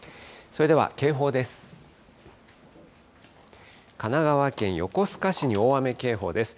それでは警報です。